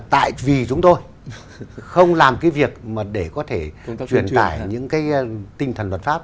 tại vì chúng tôi không làm việc để có thể truyền tải những tinh thần luật pháp